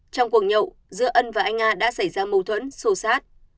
trong cuộc nhậu giữa ân và anh a đã xảy ra mâu thuẫn sâu sát